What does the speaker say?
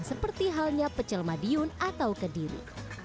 seperti halnya pecel madiun atau kediri